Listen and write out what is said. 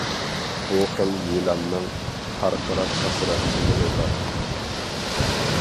بۇ خىل يىلاننىڭ پارقىراق قاسراقچىلىرى بار.